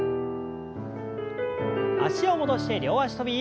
脚を戻して両脚跳び。